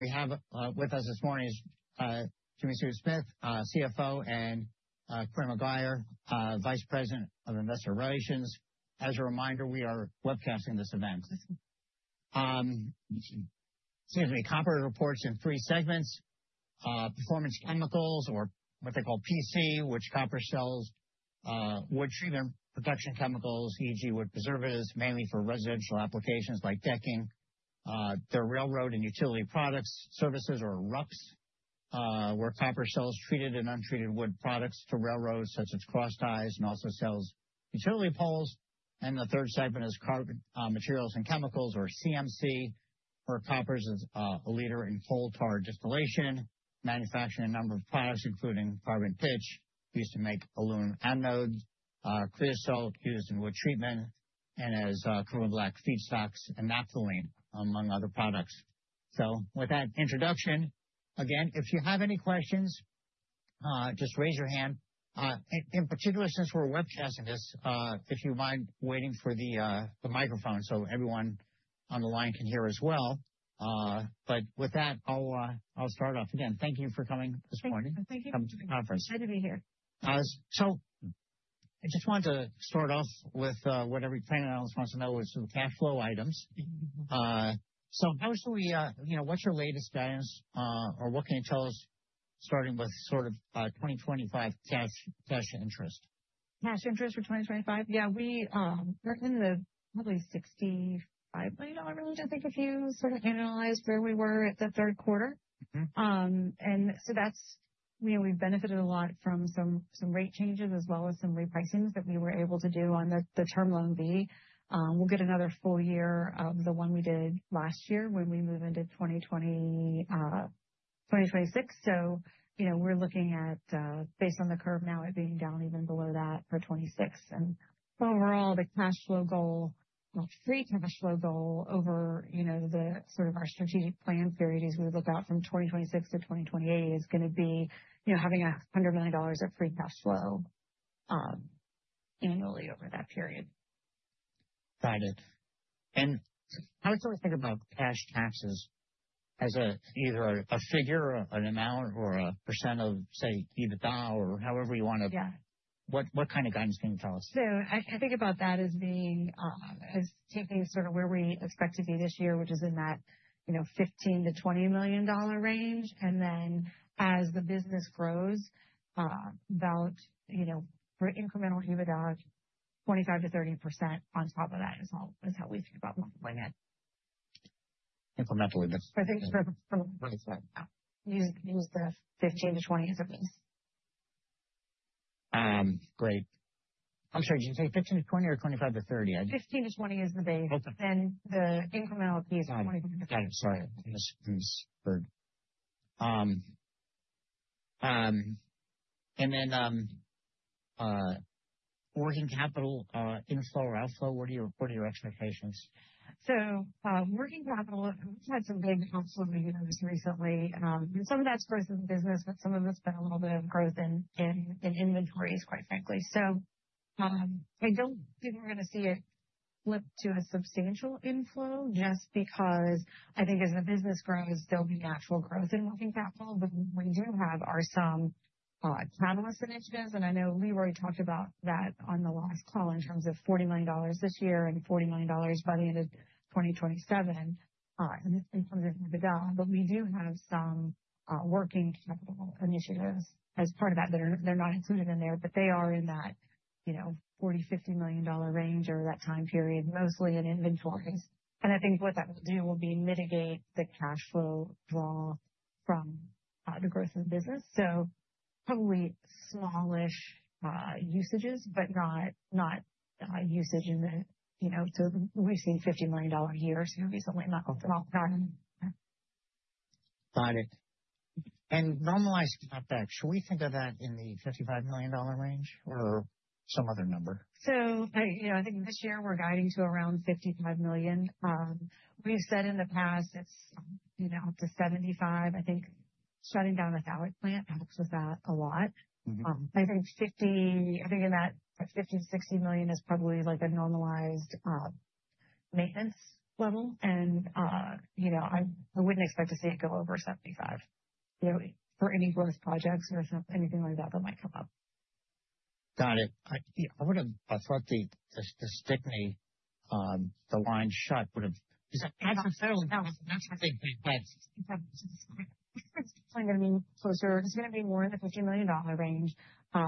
We have with us this morning Jimmi Sue Smith, CFO, and Quynh McGuire, Vice President of Investor Relations. As a reminder, we are webcasting this event. Excuse me. Koppers reports in three segments: Performance Chemicals, or what they call PC, which Koppers sells, wood treatment production chemicals, e.g., wood preservatives, mainly for residential applications like decking, the Railroad and Utility Products and Services, or RUPS, where Koppers sells treated and untreated wood products to railroads such as cross ties, and also sells utility poles. The third segment is Carbon Materials and Chemicals, or CMC, where Koppers is a leader in coal tar distillation, manufacturing a number of products, including carbon pitch. We used to make aluminum anodes, clear salts used in wood treatment, and as carbon black feedstocks and naphthalene, among other products. With that introduction, if you have any questions, just raise your hand. In particular, since we're webcasting this, if you mind waiting for the microphone so everyone on the line can hear as well. With that, I'll start off. Again, thank you for coming this morning. Thank you. Coming to the conference. Glad to be here. I just wanted to start off with what every client of ours wants to know, which is the cash flow items. How should we—what's your latest guidance, or what can you tell us, starting with sort of 2025 cash interest? Cash interest for 2025? Yeah. We're in the probably $65 million, I think, if you sort of analyze where we were at the third quarter. That's—we've benefited a lot from some rate changes as well as some repricing that we were able to do on the Term Loan B. We'll get another full year of the one we did last year when we move into 2026. We're looking at, based on the curve now, it being down even below that for 2026. Overall, the cash flow goal, free cash flow goal over the sort of our strategic plan period as we look out from 2026 to 2028, is going to be having $100 million of free cash flow annually over that period. Got it. How do you think about cash taxes as either a figure, an amount, or a percent of, say, EBITDA or however you want to—what kind of guidance can you tell us? I think about that as taking sort of where we expect to be this year, which is in that $15-$20 million range. And then as the business grows, about incremental EBITDA, 25%-30% on top of that is how we think about monthly. Incremental EBITDA. I think from—use the $15-$20 as a base. Great. I'm sorry. Did you say $15-$20 or $25-$30? $15-$20 is the base. Then the incremental piece is $25-$30. Got it. Sorry. I misheard. What are your expectations for working capital inflow or outflow? Working capital, we've had some big outflow movements recently. Some of that's growth in the business, but some of it's been a little bit of growth in inventories, quite frankly. I don't think we're going to see it flip to a substantial inflow just because I think as the business grows, there'll be natural growth in working capital. What we do have are some catalyst initiatives. I know Leroy talked about that on the last call in terms of $40 million this year and $40 million by the end of 2027 in terms of EBITDA. We do have some working capital initiatives as part of that. They're not included in there, but they are in that $40-$50 million range or that time period, mostly in inventories. I think what that will do will be mitigate the cash flow draw from the growth of the business. Probably smallish usages, but not usage in the—we've seen $50 million here recently, not all the time. Got it. And normalized CapEx, should we think of that in the $55 million range or some other number? I think this year we're guiding to around $55 million. We've said in the past it's up to $75 million. I think shutting down a Stickney plant helps with that a lot. I think in that $50-$60 million is probably like a normalized maintenance level. I wouldn't expect to see it go over $75 million for any growth projects or anything like that that might come up. Got it. I thought the line shut would have—that's what they think. It's going to be closer. It's going to be more in the $50 million range.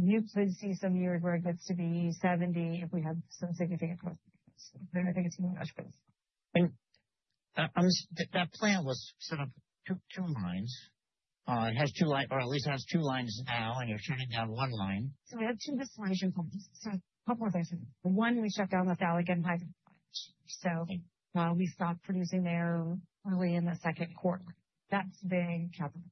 You could see some years where it gets to be $70 million if we have some significant growth. I think it's going to be much closer. That plant was set up two lines. It has two lines, or at least it has two lines now, and you're shutting down one line. We have two distillation plants. A couple of things. One, we shut down the phthalic anhydride plant. We stopped producing there early in the second quarter. That is big capital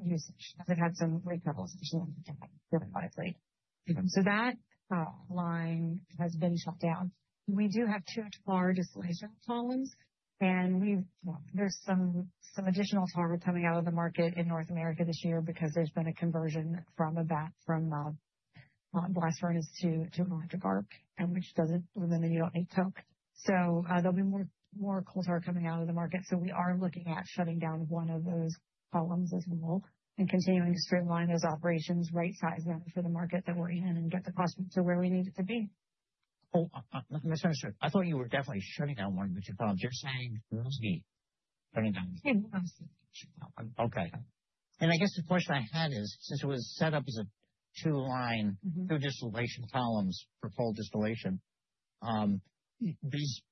usage because it had some recapitalization that we could not vary widely. That line has been shut down. We do have two tar distillation columns. There is some additional tar coming out of the market in North America this year because there has been a conversion from blast furnace to electric arc, which does not really mean you do not need coke. There will be more coal tar coming out of the market. We are looking at shutting down one of those columns as well and continuing to streamline those operations, right-size them for the market that we are in, and get the cost to where we need it to be. I'm not sure. I thought you were definitely shutting down one of the two columns. You're saying mostly shutting down. Mostly. Okay. I guess the question I had is, since it was set up as a two-line, two distillation columns for coal distillation, does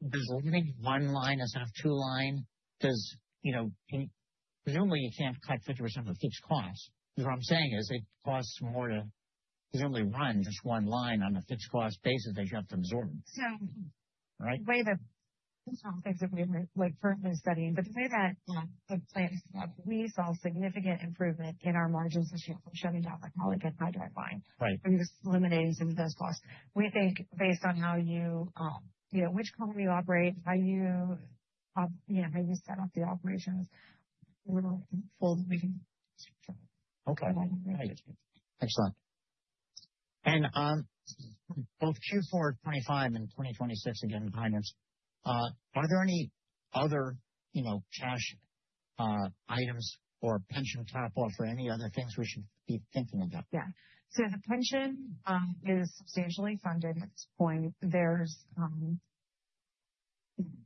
leaving one line as a two-line, because presumably you can't cut 50% of a fixed cost, because what I'm saying is it costs more to presumably run just one line on a fixed cost basis that you have to absorb. The way that—this is all things that we're currently studying—but the way that the plant is set up, we saw significant improvement in our margins this year from shutting down the phthalic anhydride line and just eliminating some of those costs. We think based on how you—which column you operate, how you set up the operations, we're hopeful that we can structure it. Okay. Excellent. Both Q4 2025 and 2026, again, finance, are there any other cash items or pension capital for any other things we should be thinking about? Yeah. The pension is substantially funded at this point.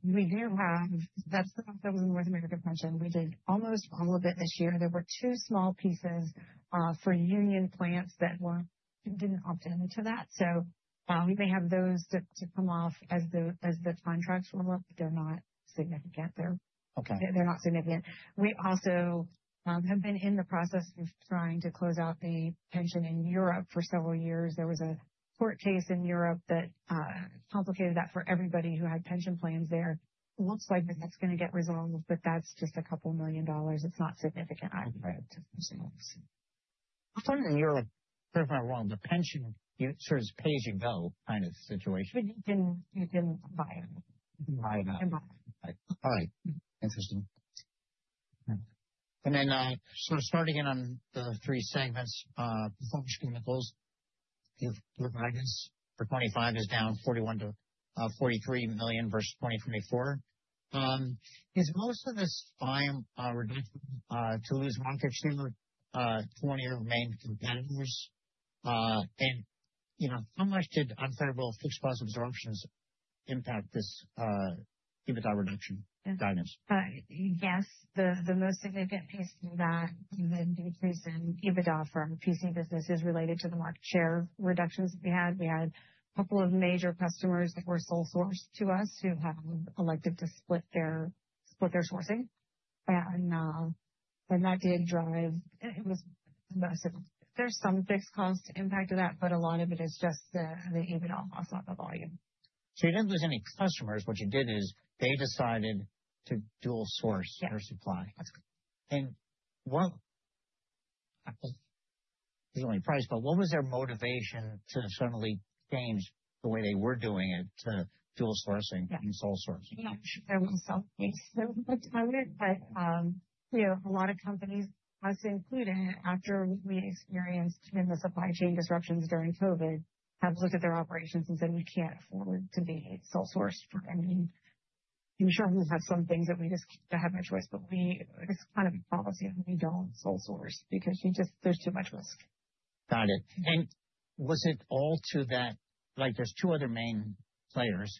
We do have—that's the North America pension. We did almost all of it this year. There were two small pieces for union plants that did not opt into that. We may have those to come off as the contracts roll up, but they are not significant. They are not significant. We also have been in the process of trying to close out the pension in Europe for several years. There was a court case in Europe that complicated that for everybody who had pension plans there. Looks like that is going to get resolved, but that is just a couple of million dollars. It is not significant. I'm starting to hear—correct me if I'm wrong—the pension sort of pay-as-you-go kind of situation. You can buy it. You can buy it. You can buy it. All right. Interesting. Starting in on the three segments, Performance Chemicals, your guidance for 2025 is down $41 million-$43 million versus 2024. Is most of this volume reduction to lose market share to any of the main competitors? How much did unfavorable fixed cost absorptions impact this EBITDA reduction guidance? Yes. The most significant piece of that is the decrease in EBITDA from PC businesses related to the market share reductions that we had. We had a couple of major customers that were sole source to us who have elected to split their sourcing. That did drive—there is some fixed cost impact of that, but a lot of it is just the EBITDA loss on the volume. You did not lose any customers. What you did is they decided to dual source their supply. Yes. There is only price, but what was their motivation to suddenly change the way they were doing it to dual sourcing and sole sourcing? I'm not sure there was some reason to do it, but a lot of companies, us included, after we experienced some of the supply chain disruptions during COVID, have looked at their operations and said, "We can't afford to be sole sourced for any." I'm sure we have some things that we just have no choice, but it's kind of a policy that we don't sole source because there's too much risk. Got it. Was it all to that—like there are two other main players.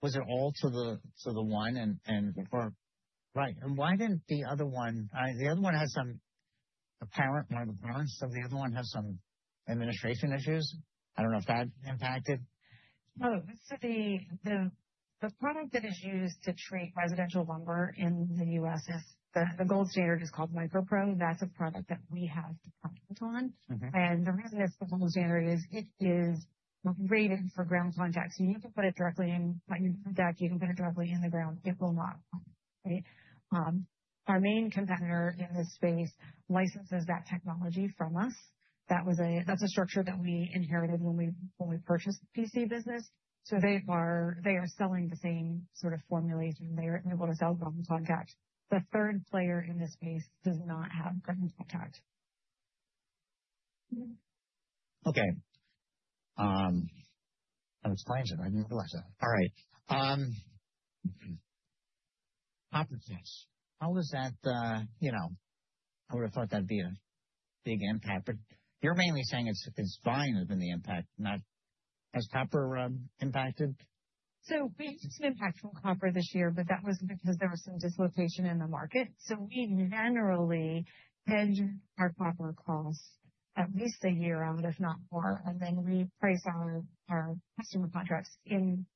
Was it all to the one? Yes. Right. Why didn't the other one—the other one has some apparent—one of the parents. The other one has some administration issues. I don't know if that impacted. Oh, so the product that is used to treat residential lumber in the U.S., the gold standard is called MicroPro. That's a product that we have to comment on. The reason it's the gold standard is it is rated for ground contact. You can put it directly in—when you put that, you can put it directly in the ground. It will not, right? Our main competitor in this space licenses that technology from us. That's a structure that we inherited when we purchased the PC business. They are selling the same sort of formulation. They are able to sell ground contact. The third player in this space does not have ground contact. Okay. That explains it. I knew I liked that. All right. Copper plans. How was that? I would have thought that'd be a big impact. You are mainly saying it's volume has been the impact, not—has copper impacted? We had some impact from copper this year, but that was because there was some dislocation in the market. We generally hedge our copper costs at least a year out, if not more. We price our customer contracts in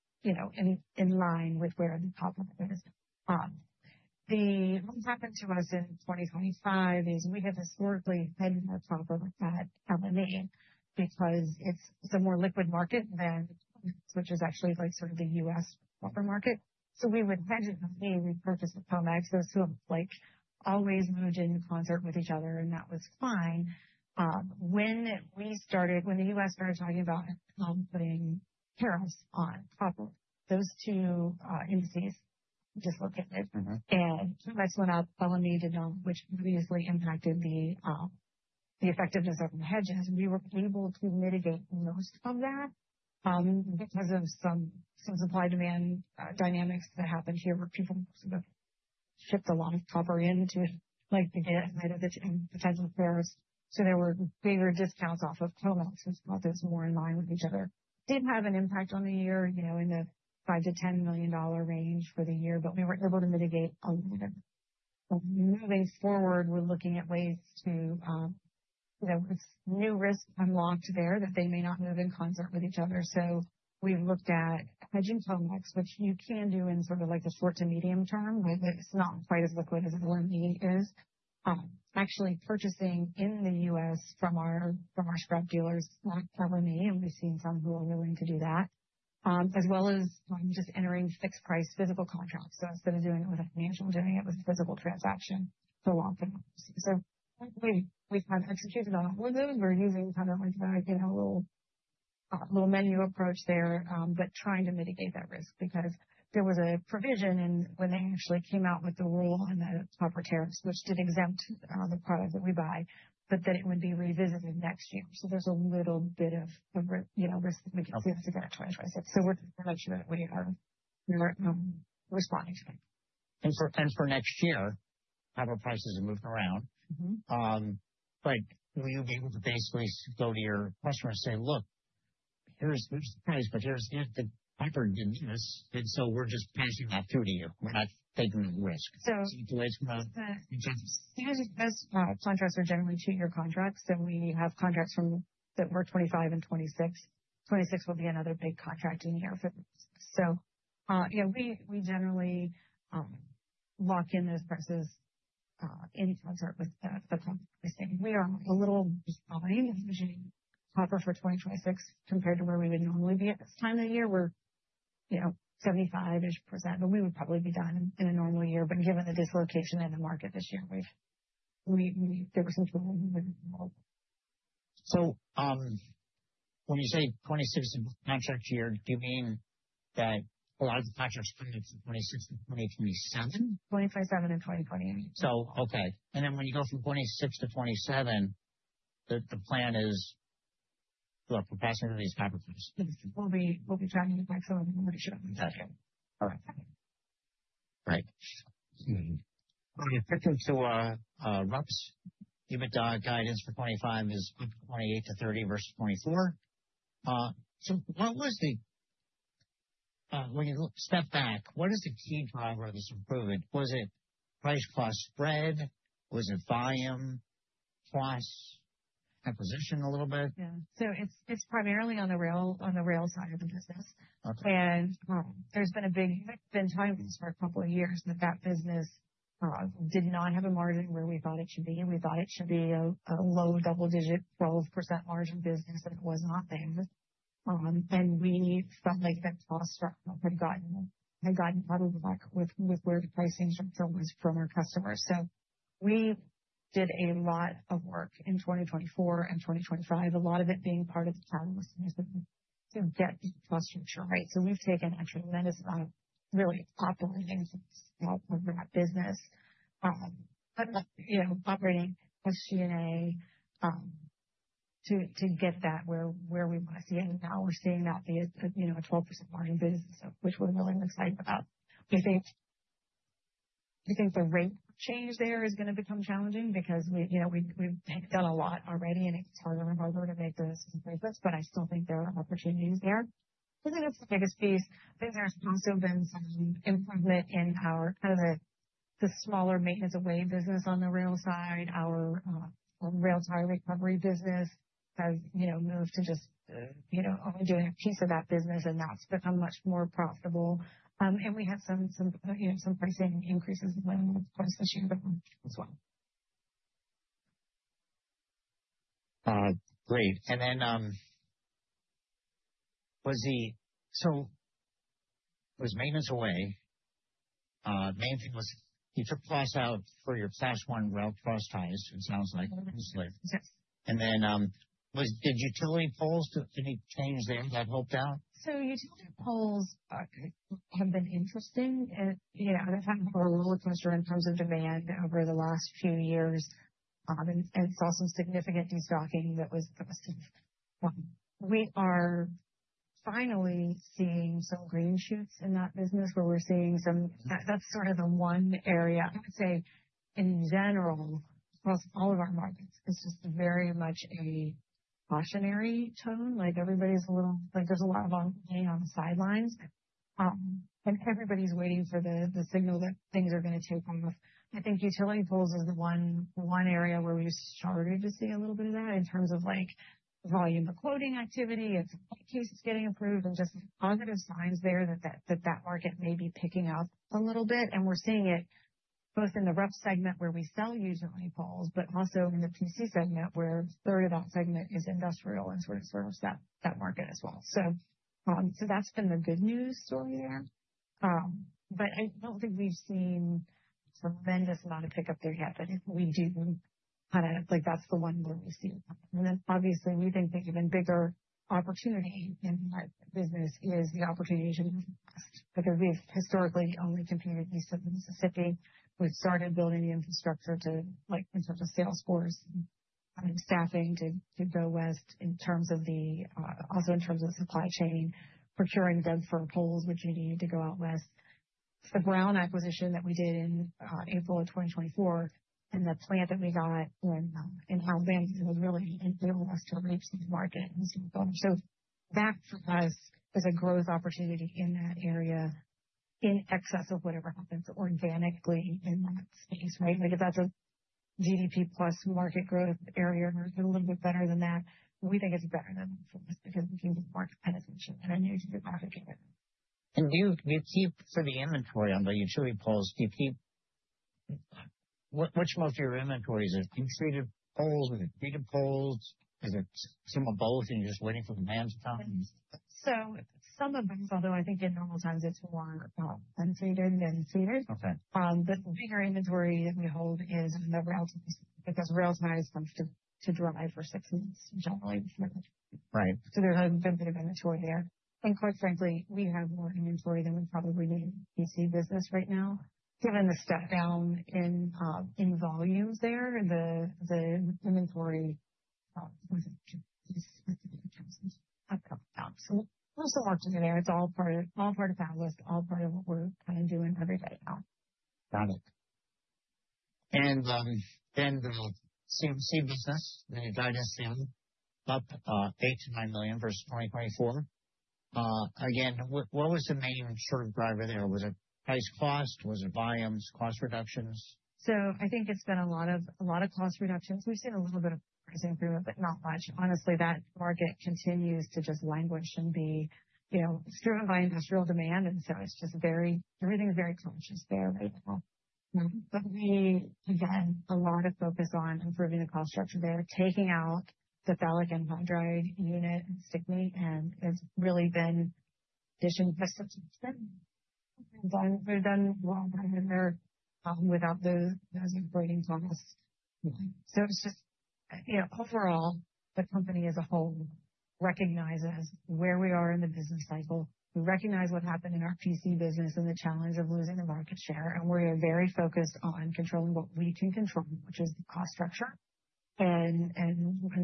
line with where the copper is. What happened to us in 2025 is we have historically hedged our copper at LME because it is a more liquid market than COMEX, which is actually sort of the U.S. copper market. We would hedge at LME. We purchased at COMEX. Those two have always moved in concert with each other, and that was fine. When the U.S. started talking about putting tariffs on copper, those two indices dislocated. COMEX went up. LME did not, which obviously impacted the effectiveness of the hedges. We were able to mitigate most of that because of some supply-demand dynamics that happened here where people shipped a lot of copper into the gas side of the potential fares. So there were bigger discounts off of COMEX, which brought those more in line with each other. Did have an impact on the year in the $5 million-$10 million range for the year, but we were able to mitigate a little bit. Moving forward, we're looking at ways to—there's new risk unlocked there that they may not move in concert with each other. So we've looked at hedging COMEX, which you can do in sort of like the short to medium term, but it's not quite as liquid as LME is. Actually purchasing in the U.S. from our scrap dealers at LME, and we've seen some who are willing to do that, as well as just entering fixed-price physical contracts. Instead of doing it with a financial, doing it with a physical transaction for long-term purposes. We've kind of executed on all of those. We're using kind of like a little menu approach there, but trying to mitigate that risk because there was a provision when they actually came out with the rule on the copper tariffs, which did exempt the product that we buy, but that it would be revisited next year. There's a little bit of risk that we could see us to get in 2026. We're trying to make sure that we are responding to it. For next year, copper prices are moving around. Will you be able to basically go to your customer and say, "Look, here's the price, but here's the copper in this. And so we're just passing that through to you. We're not taking that risk"? Huge contracts are generally two-year contracts. We have contracts that were 2025 and 2026. 2026 will be another big contract in the year for 2026. We generally lock in those prices in concert with the copper pricing. We are a little behind hedging copper for 2026 compared to where we would normally be at this time of the year. We are 75% ish, but we would probably be done in a normal year. Given the dislocation in the market this year, there were some people who moved more. When you say 2026 is a contract year, do you mean that a lot of the contracts come in from 2026 to 2027? 2025, 2027, and 2028. Okay. And then when you go from 2026 to 2027, the plan is to approximate these copper prices. We'll be tracking the tax on them and make sure that we're tracking them. Got it. All right. All right. When you're picking to RUPS, EBITDA guidance for 2025 is $28-$30 versus 2024. When you step back, what is the key driver of this improvement? Was it price-plus spread? Was it volume plus acquisition a little bit? Yeah. It is primarily on the rail side of the business. There has been a big—there have been times for a couple of years that that business did not have a margin where we thought it should be. We thought it should be a low double-digit 12% margin business, and it was not there. We felt like that cost structure had gotten cut with where the pricing structure was from our customers. We did a lot of work in 2024 and 2025, a lot of it being part of the catalyst to get the cost structure right. We have taken a tremendous amount of really operating costs out of that business, operating SG&A to get that where we want to see it. Now we are seeing that be a 12% margin business, which we are really excited about. I think the rate change there is going to become challenging because we've done a lot already, and it's harder and harder to make those improvements. I still think there are opportunities there. I think that's the biggest piece. I think there's also been some improvement in our kind of the smaller maintenance-of-way business on the rail side. Our rail tie recovery business has moved to just only doing a piece of that business, and that's become much more profitable. We had some pricing increases in rail costs this year as well. Great. Was it maintenance away? The main thing was you took costs out for your Class I rail cross ties, it sounds like. Yes. Did utility poles—did any change there that helped out? Utility poles have been interesting. They've had a roller coaster in terms of demand over the last few years and saw some significant destocking that was positive. We are finally seeing some green shoots in that business where we're seeing some—that's sort of the one area. I would say, in general, across all of our markets, it's just very much a cautionary tone. Everybody's a little—there's a lot of longer playing on the sidelines, and everybody's waiting for the signal that things are going to take off. I think utility poles is the one area where we started to see a little bit of that in terms of volume of quoting activity and supply cases getting approved and just positive signs there that that market may be picking up a little bit. We are seeing it both in the RUPS segment where we sell utility poles, but also in the PC segment where a third of that segment is industrial and sort of serves that market as well. That has been the good news story there. I do not think we have seen a tremendous amount of pickup there yet. If we do, that is the one where we see it coming. Obviously, we think the even bigger opportunity in our business is the opportunity to move west. We have historically only competed east of the Mississippi. We have started building the infrastructure in terms of sales force and staffing to go west, also in terms of the supply chain, procuring Douglas Fir poles, which we needed to go out west. The Brown acquisition that we did in April of 2024 and the plant that we got in Houseland was really able to reach the market. That for us is a growth opportunity in that area in excess of whatever happens organically in that space, right? If that's a GDP plus market growth area, a little bit better than that, we think it's better than the forest because we can get more penetration in a new geographic area. For the inventory on the utility poles, do you keep—what's most of your inventory? Is it untreated poles? Is it treated poles? Is it some of both, and you're just waiting for the man to come? Some of them, although I think in normal times it's more untreated than treated. The bigger inventory that we hold is the rail tie because rail tie is going to dry for six months generally before that. There's a good bit of inventory there. Quite frankly, we have more inventory than we probably need in the PC business right now. Given the step down in volumes there, the inventory was a huge piece. We're still working there. It's all part of that list, all part of what we're kind of doing every day now. Got it. CMC business, the guidance, CMC up $8 million-$9 million versus 2024. Again, what was the main sort of driver there? Was it price cost? Was it volumes, cost reductions? I think it's been a lot of cost reductions. We've seen a little bit of price improvement, but not much. Honestly, that market continues to just languish and be driven by industrial demand. Everything's very cautious there right now. We, again, a lot of focus on improving the cost structure there, taking out the phthalic anhydride unit and Stickney. It's really been addition customs. We've done well in there without those operating costs. It's just overall, the company as a whole recognizes where we are in the business cycle. We recognize what happened in our PC business and the challenge of losing the market share. We are very focused on controlling what we can control, which is the cost structure and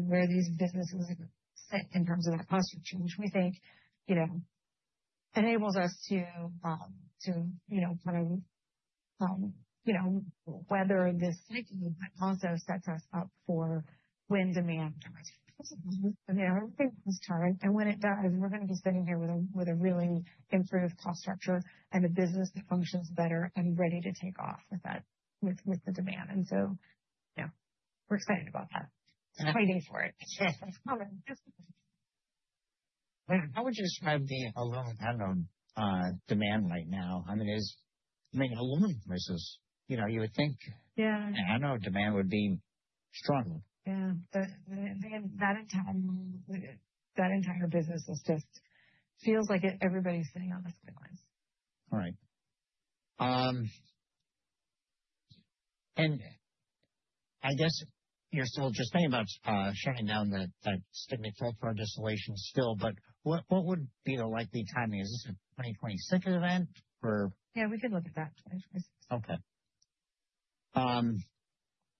where these businesses sit in terms of that cost structure, which we think enables us to kind of weather this cycle, but also sets us up for when demand drives prices. Everything comes to time. When it does, we are going to be sitting here with a really improved cost structure and a business that functions better and ready to take off with the demand. We are excited about that. We are fighting for it. How would you describe the aluminum demand right now? I mean, aluminum prices, you would think, "I know demand would be stronger. Yeah. That entire business just feels like everybody's sitting on the sidelines. All right. I guess you're still just thinking about shutting down that Stickney filter distillation still, but what would be the likely timing? Is this a 2026 event or? Yeah, we can look at that. Okay.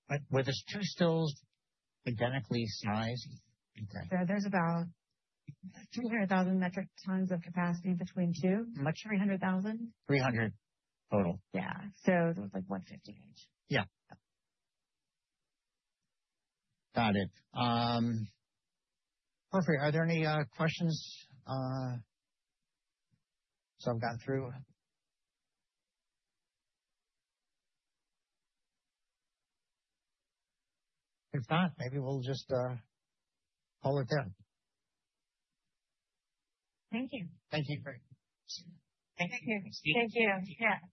But were these two stills identically sized? Yeah. There's about 300,000 metric tons of capacity between two, much 300,000 metric tons. 300,000 metric tons total. Yeah, like 150,000 metric tons each. Yeah. Got it. Perfect. Are there any questions? I've gone through. If not, maybe we'll just call it there. Thank you. Thank you. Thank you. Thank you. Yeah.